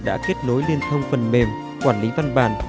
đã kết nối liên thông phần mềm quản lý văn bản